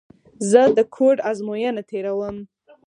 زه د کوډ ازموینه تېره ووم.